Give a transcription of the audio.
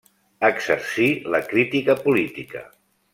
Exercí la crítica política.